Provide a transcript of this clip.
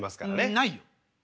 んないよ。